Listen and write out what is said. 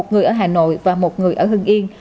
một người ở hà nội và một người ở hương yên